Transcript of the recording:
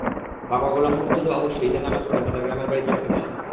বাবা গোলাম মুর্তজা অবশ্য ঈদের নামাজ পড়েন তাঁদের গ্রামের বাড়ি চারখাদায়।